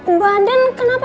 mbak anden kenapa